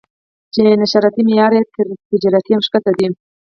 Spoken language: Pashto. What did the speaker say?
چې نشراتي معیار یې تر تجارتي هم ښکته دی.